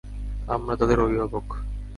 আমরা তাদের অভিভাবক।